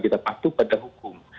kita patuh pada hukum